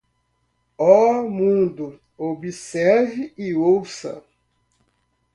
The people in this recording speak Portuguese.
Oh, mundo, observe e ouça